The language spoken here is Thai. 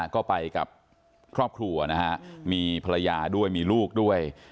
ก็ไปกับครอบครัวนะฮะมีภรรยาด้วยมีลูกด้วย